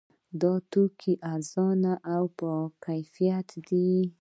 دا توکي ارزانه او باکیفیته دي.